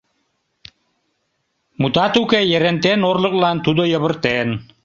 Мутат уке, Ерентен орлыклан тудо йывыртен.